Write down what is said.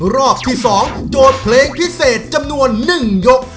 รอบที่๒โจทย์เพลงพิเศษจำนวน๑ยก